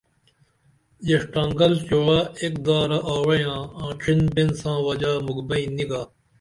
ژیڜٹنانگل چعوہ ایک دارہ آوعیاں آں ڇھین بئین ساں وجہ مُکھبئیں نی گا